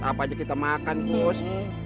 apa aja kita makan terus